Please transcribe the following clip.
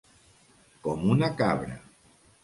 Com una cabra.